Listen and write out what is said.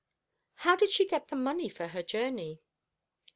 "How did she get the money for her journey?"